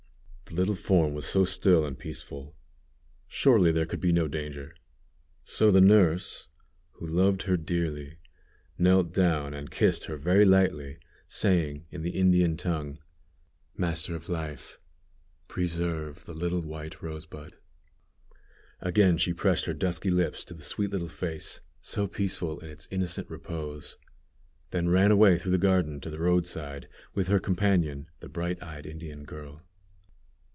The little form was so still and peaceful. Surely there could be no danger! So the nurse, who loved her dearly, knelt down and kissed her very lightly, saying, in the Indian tongue, "Master of life, preserve the little white rosebud." Again she pressed her dusky lips to the sweet little face, so peaceful in its innocent repose, then ran away through the garden to the roadside, with her companion, the bright eyed Indian girl.